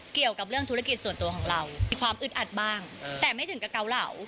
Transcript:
เกี่ยวกับเรื่องธุรกิจส่วนตัวของเรามีความอึดอัดบ้างแต่ไม่ถึงกับเกาเหลา